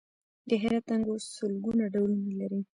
د هرات انګور سلګونه ډولونه لري.